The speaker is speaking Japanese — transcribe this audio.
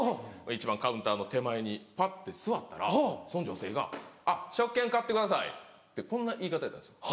一番カウンターの手前にパッて座ったらその女性が「あっ食券買ってください」ってこんな言い方やったんですよ。